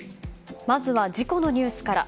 まずは事故のニュースから。